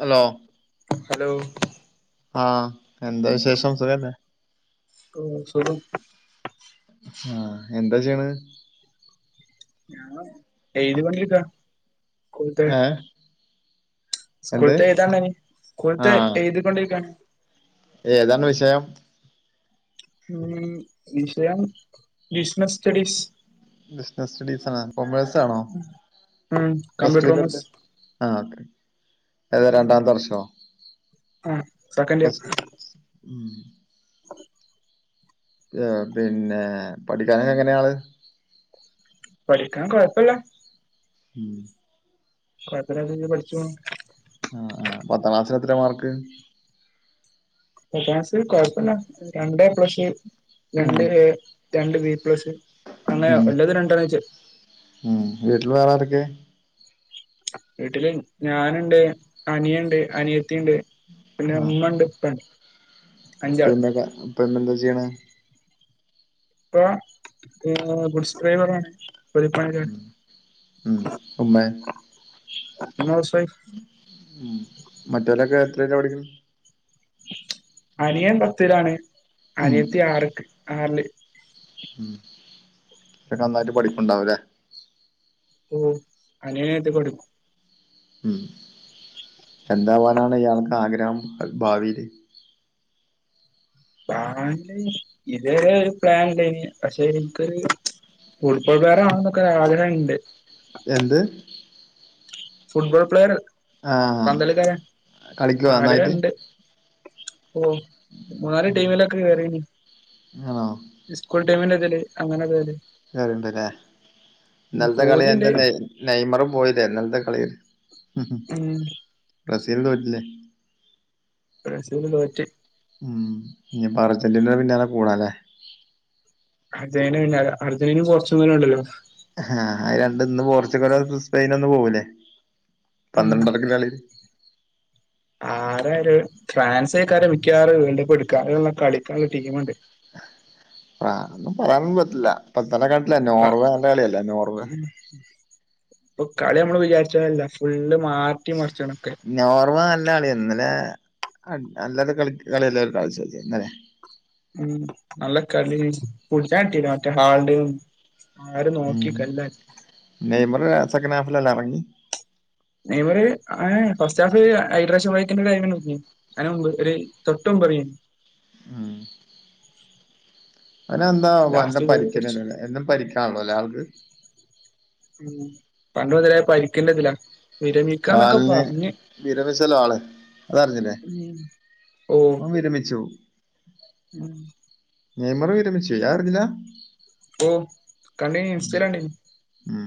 Hello hello. ആഹ് എന്താ വിശേഷം സുഖല്ലേ? ഓഹ് സുഖം. ആഹ് എന്താ ചെയ്യണ്? ഞാൻ [unintelligible] പണിയെടുക്കാ ഏഹ്. എന്ത് സ്കൂൾത്തെ എഴുതാണ്ടയ്നി സ്കൂൾത്തെ എഴുതിക്കൊണ്ടിരിക്കാണ്. ഓ ഏതാണ് വിഷയം ഉം വിഷയം ബിസ്നസ് സ്റ്റഡീസ്. ബിസിനസ്സ് സ്റ്റഡീസ് ആഹ് കൊമേഴ്സാണോ ഉം കമ്പ്യൂട്ടർ പ്ലസ്സ്ടു ടത്തെ. കോമേഴ്സ് ആഹ് അഹ് രണ്ടാംതെർഷോ? ആഹ് സെക്കന്റിയൊ ഉം [inaudible] ആഹ് പിന്നെ പഠിക്കാനെങ്ങനെയാള് പഠിക്കാൻ കൊഴപ്പല്ല ഉം കൊഴപ്പല്ലാത്ത രീതി പഠിച്ചു പോകുന്നു ആഹ് ആഹ് പത്താക്ലാസ്സിലെത്രയാ മാർക്ക് പത്താം ക്ലാസി കൊഴപ്പല്ല രണ്ടെപ്ലസ് ഉം രണ്ട് എ രണ്ട് ബി പ്ലസ് അങ്ങനെ ഉം ഉള്ളത് രണ്ടണ്ണം വെച്ച ഉം വീട്ടില് വേറാരൊക്കെ വീട്ടില് ഞാന്ണ്ട്, അനിയണ്ട്, അനിയത്തിണ്ട് പിന്നെമ്മണ്ട് ഉപ്പണ്ട് അഞ്ചാള് ഉപ്പിമ്മക്കൊ ഉപ്പമ്മേം ന്താ ചെയ്യണേ ഉപ്പ ഏഹ് ഗുഡ്സ് ഡ്രൈവറാണ് ഉം ഉം ഉമ്മേ [unintelligible] ഉം മറ്റേലൊക്കെ എത്രെയില പഠിക്കണെ അനിയൻ പത്തിലാണ് ഉം അനിയത്തി ആറ്ക്ക് ആറില് ഉം അവരൊക്കെ നന്നായിട്ട് പഠിക്ണ്ടാവല്ലേ ഉം അനിയൻ അനിയത്യൊക്കെ പടിക്കും ഉം എന്താവാനാണ് ഇയാൾക്കാഗ്രഹം ഭാവീല് പ്ലാന് ഇതേവരെ ഒര് പ്ലാൻ ണ്ടായിന് പക്ഷെ എനിക്ക് ഫുട് ബോൾ പ്ലയർ ആവണോന്നൊക്കെ ഒരാഗ്രഹണ്ട് എന്ത് ഫുട്ബോൾ പ്ലെയറ് ആഹ് പന്തളിക്കാരൻ കളിക്കോ നന്നായിട്ട് ആഗ്രഹണ്ട് ഓ വേറി ടീമിലൊക്കെ കേറീനി ആഹ് സ്കൂൾ ടൈമിന്റിതില് അങ്ങനെ തില് കേറിണ്ടില്ലേ പൂതിണ്ട് നൈമറ് പോയില്ലേ ഇന്നൽത്തെ കളീല് ഉം ബ്രസീല് തോറ്റില്ലേ ബ്രസീല് തോറ്റ് ഉം ഇനിപ്പ അർജന്റീന പിന്നാലേ കൂടാലേ അർജന്റ പിന്നാലെ അർജന്റീനേം പോർച്ചുഗലും ഇണ്ടല്ലോ ആഹ് അയിരണ്ടിന്ന് പോർച്ചുഗലോ സ്പെയിനോ ഇന്ന് പോവൂല്ലേ ഉം പന്ത്രണ്ടരക്കുള്ള കളീല് [unintelligible] ഫ്രാൻസായ്‌ക്കാരം മിക്കാറൂം വീണ്ടിപ്പെടുക്കാനും അയ് കളിക്കാനുള്ള ടീമ്ണ്ട് അതൊന്നും പറയാൻന്നും പറ്റില്ല പ്പത്തന്നെ കണ്ടില്ലേ ആ നോർവേ നല്ല കളിയല്ലേ നോർവേ ഉം ഇപ്പൊ കളി നമ്മള് വിചാരിച്ചപോലെയല്ല ഫുള്ള് മാറ്റി മറിച്ചൊണെക്കെ നോർവേ നല്ല കളിയാര്ന്ന് ഇന്നലെ അല്ലാതെ കളി കളിയല്ലേഓര് കളിച്ച് വെച്ച ഇന്നലെ ഉം നല്ല കളി [unintelligible] മറ്റേ ഹാൾഡ് ആരു നോക്കി കല്ലാൻ നെയ്മറ് സെക്കൻഡ് ഹാഫിൽ അല്ലേ ഇറങ്ങി നെയ്മറ് ആഹ് ഫസ്റ്റ് ഹാഫ് ഹൈഡ്രെഷൻ വക്കിന്റെ ടൈമിൽ [unintelligible] അതിന് മുമ്പ് ഒരു തൊട്ടു മുമ്പ് എറിയും ഉം അതിനെന്താ വല്ല ലാസ്റ്റ് ഗോൾ അടിച്ചു പരിക്കനല്ലേ എന്നും പരിക്കാണല്ലോ അല്ലേ ആൾക്ക് ഉം പണ്ട് മുതലേ പരിക്കിന്റിതിലാ കാലിന് വിരമിച്ചല്ലോ ആള് അതറിഞ്ഞില്ലേ ഉം ഓ അവൻ വിരമിച്ചോ ഉം നെയ്മറ് വിരമിച്ചു അ അറിഞ്ഞില്ല ഉം കണ്ടിന്നു ഇൻസ്റ്റയില് കണ്ടിന്നു ഉം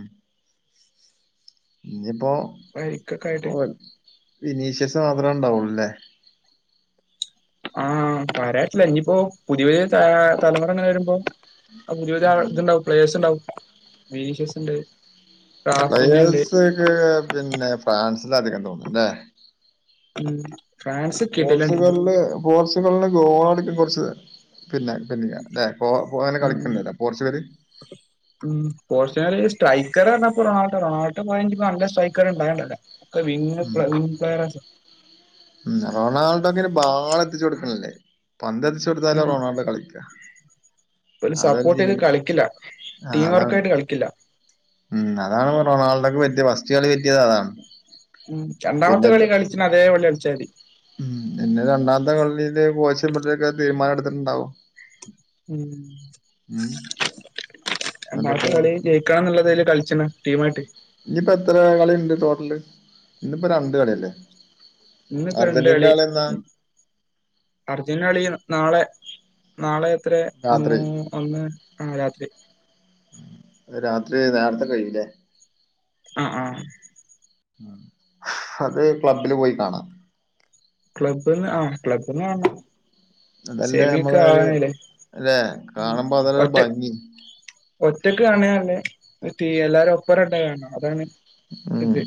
ഇനിയിപ്പോ പരിക്കൊക്കെ ആയിട്ട് വിനീഷ്യസ് മാത്രണ്ടാവുള്ളൂല്ലേ ആഹ് പറയറ്റുല്ല ഇനിയിപ്പോ പുതിയ പുതിയ ത തലമുറങ്ങനെ വരുമ്പോ ആഹ് പുതിയ പുതിയ ആഹ് തുണ്ടാവും പ്ലേയേഴസ് ണ്ടാവും വിനീഷ്യസ്സ്ണ്ട് പ്ലയേഴസ് ക്കെ പിന്നെ ഫ്രാൻസിലാ അധികം തോന്നുംല്ലേ ഉം ഫ്രാൻസ് കിടിലൻ ടീമാ പോർച്ചുഗലില് പോർച്ചുഗലിന് ഗോളടിക്കൻ കുറച്ച് പിന്നെ ലിക്കുന്നില്ല ന്ന അല്ലെ പോ അങ്ങനെ ഉം കളിക്കുന്നില്ല പോർച്ചുഗല് ഉം പോർച്ചുഗല് സ്ട്രൈക്കറ [unintelligible] [unintelligible] നല്ല സ്ട്രൈക്കർ [unintelligible] വി്ന് ഉം. വിൻസ് പ്ലയെർസ ഉം റൊണാൾഡോക്കെനെ ബാളു എത്തിച്ചു കൊടുക്കണല്ലേ പന്ത് എത്തിച്ചു ടുത്താല ഉം റൊണാൾഡോ കളിക്ക ഓല് അതാ സപ്പോർട്ട് ചെയ്ത് ചെയ്യണ് കളിക്കില്ല ആ ടീം അതാണ് വർക്കായിട്ട് കളിക്കില്ല ഉം അതാണ് ഇ റൊണാൾഡോ ഒക്കെ പറ്റിയത് ഫസ്റ്റ് കളി പറ്റിയത് അതാണ് ഉം രണ്ടാമത്തെ പിന്നെ കളി ഇപ്പൊ കളിച്ച അതേ പോലെ കളിച്ചാ മതി ഉം പിന്നെ രണ്ടാമത്തെ കളിയില് കോശട്ടൊക്കെ തീരുമാനം എടുത്തിട്ടുണ്ടാവും ഉം ഉം എന്നിട്ടെന്താ രണ്ടാമത്തെ കളി ജയിക്കണം ന്നുള്ളതില് കളിച്ചണ് ടീമായിട്ട് നിപ്പോ എത്ര കളിണ്ട് ടോട്ടല് ഇന്നിപ്പോ രണ്ട് കളിയല്ലേ അർജന്റീനേടെ കളിയെന്നാ അർജന്റീനേടേ കളി നാളെ നാളെ എത്ര രാത്രി മൂ- ഒന്ന് ആഹ് രാത്രി രാത്രി നേരത്തെ കഴിയുല്ലേ ആഹ് ആഹ് അത് ക്ലബ്ബില് പോയി കാണാം ക്ലബ്ബ്ന്ന് ആഹ് ക്ലബ്ബ്ന്ന് കാണണം അതല്ലേ സെമിയൊക്കെ നമ്മളെ ഒരു ആകാനായില്ലേ അല്ലേ കാണുമ്പോ അതല്ലേ ഒരു ഒറ്റ ഭംഗി ഒറ്റക്ക് കാണണേ നല്ല എല്ലാരും ഒപ്പറട്ട കാണണം അതാണ് ഉം ഇത്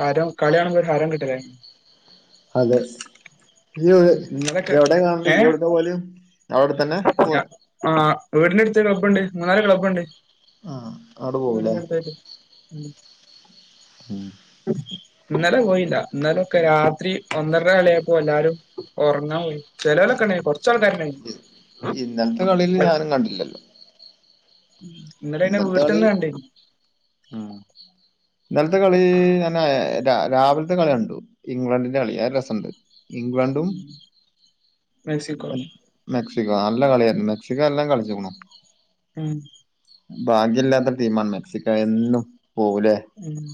ഹരം കളിയാണുമ്പോ ഒരു ഹരം കിട്ടലേ അതെ ഇയ്യ് ഇന്നലൊക്കെ ഇയ്യ് എവിടെ കാണല് ഏ ഇയ്യ് എവിടക്ക പോവല് അവിടെത്തന്നെ പോവുവാ ആഹ് വീടിന്റെ അടുത്ത് ക്ലബ്ബുണ്ട് മൂന്നാല് ക്ലബ്ബുണ്ട് ആഹ് അവിടെ പോവുലേ വീടിനടുത്തായിട്ട് ഉം ഇന്നലെ പോയില്ല ഇന്നലെ ഒക്കെ രാത്രി ഒന്നരൻ്റെ കളിയായപ്പോ എല്ലാരും ഒറങ്ങാൻ പോയി ചെലോലൊക്കെ ണ്ടായിന്ന് കൊറച്ചാൾക്കാരണ്ടായി ന്ന് ഇന്നലത്തെ കളിയിൽ ഞാനും കണ്ടില്ലല്ലോ ഉം ഇന്നൽത്തെ കളി ഉം ഇന്നലത്തെ കളി ഞാ നാ ര രാ രാവിലത്തെ കളി കണ്ടു ഇംഗ്ലണ്ടിന്റെ കളി അത് രസണ്ട് ഇംഗ്ലണ്ട് ടും മെക്സിക്കോ മെക്സിക്കോ നല്ല കളിയായിരുന്നു മെക്സിക്കോ നല്ലം കളിച്ചക്കുണു ഉം ഭാഗ്യല്ലാത്ത ടീമാ മെക്സിക്കോ എന്നും പോവും ല്ലെ ഉം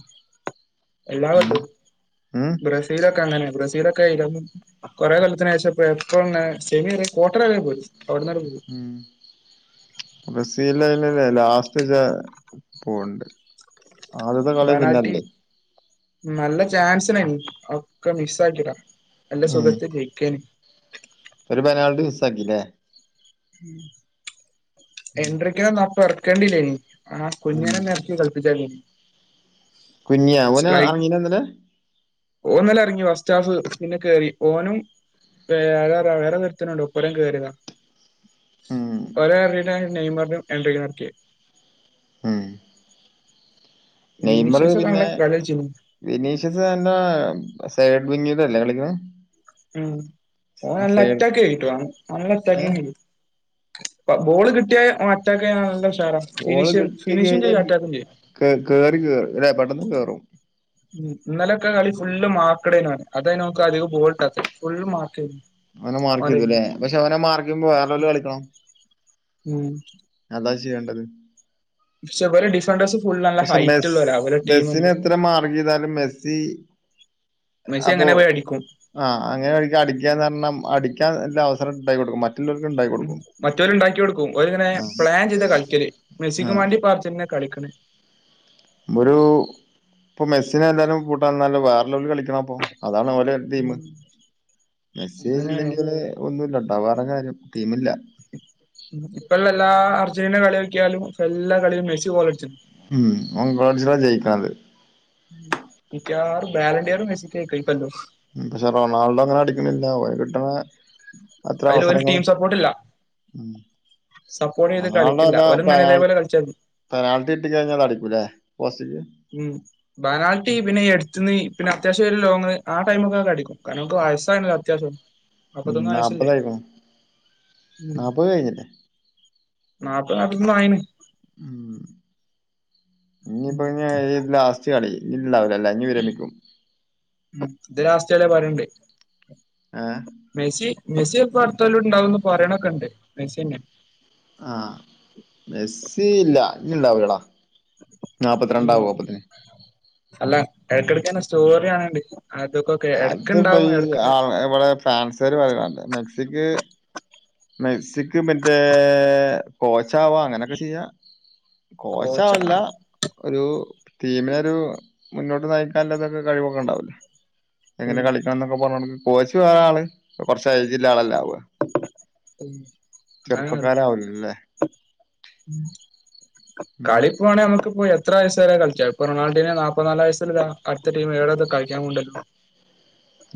എല്ലാ കൊല്ലം ഉം ബ്രസീലൊക്കെ അങ്ങനെ ബ്രസീലൊക്കെ ക്ക യി കൊറെ കൊല്ലത്തിനേഷം പ്പ എപ്പോഴും സെമി രെ ക്വാർട്ടർ രെ പോയി അവിടന്നാണ്ട് പോവു ബ്രസീലല്ലേ ലാസ്റ്റ്ച്ച പോണ്ട് ബനാൽട്ടി നല്ല ചാൻസിയായിന്നു ഒക്കെ മിസ് ആകിടാ നല്ല ഉം സുഖത്തി ജയിക്കെന്ന് ഒരു പെനാൾട്ടി മിസ്സാക്കില്ലേ ഉം [inaudible] എട്രക്കിനെ അപ്പ ഇറക്കേണ്ടിലെന്ന് ആ ഉം കുഞ്ഞനന്നെ ഇറക്കി കളിപ്പിച്ചാതിയർന്ന് കുഞ്ഞിയ ഓന് എറങ്ങീന്ന ഇന്നല്ലെ ഓന് ഇന്നലെ ഇങ്ങി ഫസ്റ്റ് ഹാഫ് പിന്നെ കേറി ഓനും- വേറെ വേറെ ഒരുത്തനുണ്ട് ഇപ്പരം കേറി വാ ഉം ഓര് എറങ്ങിട്ടാ നെയ്മറിനേയും ഇന്ദ്രിക്കി [unintelligible] നെ എറക്കിയത് ഉം വിനിഷസൊക്കെ നല്ല കളി കളി വെച്ചെനു വിനീഷസ് എന്തുവാ സൈഡ് വിങ്ങിലല്ലേ കളിക്ക്ണ് ഉം ഓൻ നല്ല അറ്റാക്കയിന് ട്ടോ നല്ല ഏ അറ്റാക്കിങ് ആയിന്നു ബോള് കിട്ടിയാ ഓന് അറ്റാക്ക് ചെയ്യാൻ നല്ല ഉഷാറാ ബോള് ഫിനിഷും കിട്ടി ഫിനിഷും കഴിഞ്ഞാ ചെയ്യും അറ്റാക്കും ചെയ്യും കേ കേറി കേ ല്ലെ പെട്ടെന്ന് കേറും ഉം ഇന്നലൊക്കെ കളി ഫുള്ള് മാർക്കടേന്നു അതേയിന്നു ഒന്ക്ക് അധികം ബോൾ കിട്ടാത്ത് ഫുള്ള് മാർക്കെയിന്നു അവനെ മാർക്ക് ചെയ്തുല്ലേ പക്ഷെ അവനെ മാർക്കെയ്യുമ്പോ വേറെയുള്ളേര് കളിക്കണം ഉം അതാ ചെയ്യേണ്ടത് പക്ഷെ ഇവരെ ഡിഫൻഡേഴ്സ് ഫുള്ള് നല്ല പക്ഷെ ഹൈറ്റ് മെസ് ഉള്ളോരാ ഇവരെ മെസ്സിന ടീമന്നെ എത്ര മാർഗ്യ്താലും മെസ്സി- മെസ്സി അപ്പൊ അങ്ങനെ പോയി അടിക്കും ആഹ് അങ്ങനെ വഴിക്ക് അടിക്കാന്ന് പറഞ്ഞ അടിക്കാൻ നല്ല അവസരം ഇണ്ടായി കൊടുക്കും മറ്റുള്ളോർക്ക് ഇണ്ടാക്കി കൊടുക്കും മറ്റോര് ഉണ്ടാക്കി കൊടുക്കും ഓര് ഇങ്ങനെ ആഹ് പ്ലാൻ ചെയ്താ കളിക്കല് മെസിക്കും ആഹ് വാണ്ടി പാർച്ചെന്നെ കളിക്ക്ണ് ഒരു ഇപ്പൊ മെസ്സിനെ എല്ലാരും കൂട്ടതെ തന്നെ വേരെ ഉള്ളേരു കളിക്കണം അപ്പൊ അതാണ് ഓല് ടീംമ് ഉം മെസ്സി അങ്ങനെയാണ് ഇല്ലെങ്കിൽ ഒന്നുല്ല ട്ടോ വേറെ കാര്യം ടീമില്ല ഇപ്പ എല്ലാ അർജന്റീനനേ കളി നോക്കിയാലും എല്ലാ കളിലും മെസ്സി ഗോൾ അടിച്ചി ഉം ഓൻ ഗോളടിച്ചിട്ടാ ജയിക്കണത് മിക്കവാറും ബാലൻ്റിയർ മെസ്സിക്ക് പോയി കളിക്കലോ പക്ഷെ റൊണാൾഡോ അങ്ങനെ അടിക്കണില്ല അവര് കിട്ടണ അത്ര അയില് ഓല് ടീം അവസരങ്ങളും സപ്പോർട്ട് ഇല്ല ഉം സപ്പോർട്ട് ചെയ്ത് കളിക്കില്ല ഓര് ഇങ്ങനെ ഇതേപോലെ കളിച്ചാൽ പെനാൽറ്റി കിട്ടി കഴിഞ്ഞാൽ അടിക്കൂല്ലേ പോസ്റ്റിക്ക് ഉം ബനാൽറ്റി പിന്നെ എടുത്തുന്ന് പിന്നെ അത്യാവശ്യം ഒരു ലോങ് ആ ടൈമൊക്ക അങ്ങോട്ട് അടിക്കും കാരണം ഓന്ക്ക് വയസ്സായല്ലോ അത്യാവശ്യം ഉം നാപ്പത്തൊന്ന് വയസ്സല്ലേ നാല്പത് ആയിനു ഉം നാൽപത് കഴിഞ്ഞില്ലേ നാപ്പത് നാൽപ്പതൊന്ന് ആയിണ് ഉം ഉം ഇനിയിപ്പോ ഇന്നീ ഈ ലാസ്റ്റ് കളി ഇണ്ടാവൂല ഇല്ലേ ഇനി കേറിയാൽ നിക്കും ഇത് ലാസ്റ്റ് വരെ പറയ്ണ്ടെ ആഹ് മെസ്സി മെസ്സി ഇപ്പൊ അടുത്തലുണ്ടാവുന്ന് പറയണക്കെ ഉണ്ട് മെസ്സി തന്നെയാ ആ മെസ്സി ഇല്ല ഇനി ഇണ്ടാവൂലടാ നാല്പ്പത്തി രണ്ടാവും ഉം ഒപ്പത്തിന് അല്ല ഇടക്ക് ഇടക്ക് ഇങ്ങനെ സ്റ്റോറി ആണെണ്ട് അതൊക്കെ ഒക്കെ അത് ഇപ്പ എടക്കിണ്ടാവും ഈ എടക്ക്- ഇവിടെ ഫാൻസാര് പറയൊണ്ട് മെക്സിക്ക്- മെക്സിക് മറ്റേ കോച്ചാവാം അങ്ങനെക്കെ ചെയ്യാം കോച്ചാവല്ല കോച്ചാണോ ഒരു ടിമിന് ഒരു മുന്നോട്ട് നയിക്കാനുള്ളതു കഴിവൊക്കെ ഉണ്ടാവല്ലോ എങ്ങനെ ഉം കളിക്കണം എന്നൊക്കെ പറഞ്ഞൊട്ക്ക് കോച്ച് വേറെ ആള് കൊറച്ച് ഏജ് ഉള്ള ആള് അല്ലേആവുളേ ഉം [inaudible] ചെറുപ്പക്കാല് ആവുല്ല്ലേ ഉം കളി പോണേ നമുക്ക് പോയത് എത്ര വയസ്സ്‌വരെ കളിക്കാ ഇപ്പോ റൊണാൾടെന് നാപ്പ്നാല് വയസ്സുളളില് അടുത്തടീം ഏഴത് കളിക്കാൻ കൊണ്ടല്ലോ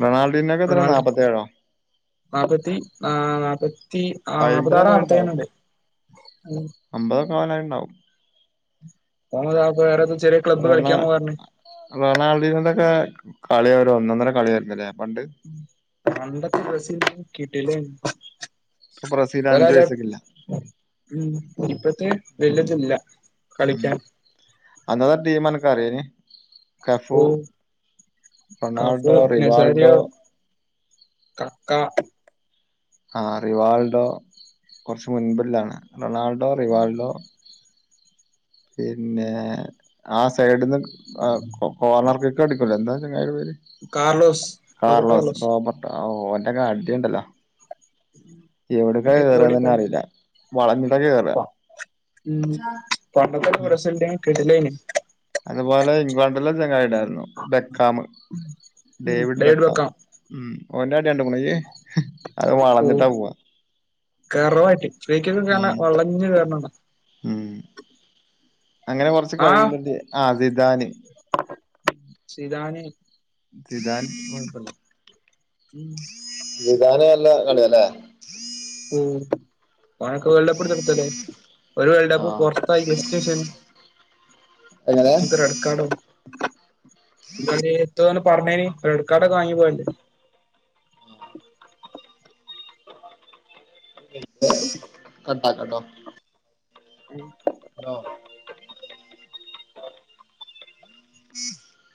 റൊണാൾടിന് ഇപ്പെത്ര നാപ്പത്തേഴോ നാല്പ്പത്തി ആഹ് നാല്പ്പത്തി ആഹ് നാല്പ്പത്തി ആറ് അയ്മ്പതൊക്കെ നാപ്പത്തി ഉണ്ടാവും ഏഴന്ന്ണ്ട് ഉം അമ്പതൊക്കെ വേണേലിണ്ടാവും ആഹ് ഒരാൾക്ക് വേറൊതു ചെറിയ ക്ലബ്ബ് കളിക്കാൻ മൂവാരുന്നു റൊണാൾടെന്ന് ഇതക്കെ കളിയൊരു ഒന്നൊന്നര കളിയായിരുന്നല്ലേ പണ്ട് പണ്ടത്തെ മെസ്സി കിടിലേരുന്നു ഇപ്പ ബ്രാസില് അഞ്ച് പൈസ്സക്കില്ല ഉം ഇപ്പത്തെ വല്തില്ല കളിക്കാൻ [unintelligible] ടീമാണ് [unintelligible] കഫു ഓ Cafu Ronaldo Nazario Rivaldo Kaka ആഹ് റിവാൾഡോ കുറച്ച് മുൻപിളളതാണ് റൊണാൾഡോ റിവാൾഡോ പിന്നെ ആ സൈഡ്ന്ന് കോർണർക്കൊക്കെ അടു എന്നാ ചങ്ങായിടെ പേര് കാർലോസ് റോബർട്ടോ കാർലോസ് റോബർട്ട് ഓന്റെക്കെ അടിണ്ടല്ലോ എവിടക്കെ കേറിയന്ന് അടിപൊളി തന്നെ കളി അറിയുലാ വളഞ്ഞിട്ടൊക്കെ കേറാ ഉം പണ്ടത്തെക്കെ പ്രസിഡന്റ്‌ കിടിലേന് അതുപോലെ ഇംഗ്ലണ്ടിലെ ചങ്ങായിണ്ടാരുന്നു ബെക്കാമ് ഡേവിഡ് ബെക്കാം ഉം ഓന്റൊ അടികണ്ട്മുണിയ് അത് വളഞ്ഞിട്ടാ പോവാ കർവ്വായിട്ട് ഫേക്കീന്ന് ഉം നല്ല വളഞ്ഞ് കേറണണ്ട ഉം അങ്ങനെ കൊറച്ച് കഴിവില്ലിണ്ടെ ആഹ് അത് സിതാന് ചിതാനെ ചിതാൻ കൊട്ക്കണം [inaudible] നിദാന് നല്ലാ കളിയാല്ലേ ഉം ഓണൊക്കെ വേൾഡ് കപ്പ് [unintelligible] നിർത്തല്ലേ ഒരു വേൾഡ് കപ്പ് ആഹ് പുറത്തായി ജസ്റ്റ് മിസ്സിന് എങ്ങനെ ക്കാടോ ഇതാനേ എത്തോന്ന് പറഞ്ഞേന് റെഡ് കാർഡ് വാങ്ങി പോയല്ലേ കട്ടാക്കട്ടോ ഉം [unintelligible] [inaudible]